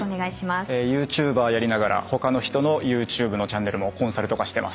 ＹｏｕＴｕｂｅｒやりながら他の人のＹｏｕＴｕｂｅのチャンネルもコンサルとかしてます。